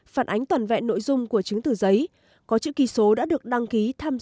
phản ánh toàn vẹn nội dung của chứng từ giấy có chữ ký số đã được đăng ký tham gia